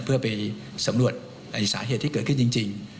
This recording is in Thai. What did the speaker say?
เพื่อไปสำรวจสาเหตุที่เกิดขึ้นจริง